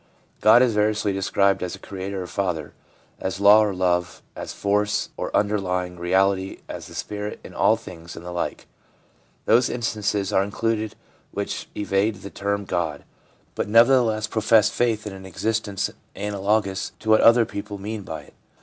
God is variously described as Creator or Father, as Law or Love, as Force or Underlying Reality, as the Spirit in all things, and the like. Those instances are included which evade the term God, but nevertheless profess faith in an existence analogous to what other people mean by it.